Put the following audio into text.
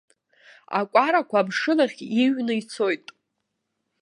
Акәарақәа амшынахь иҩны ицоит!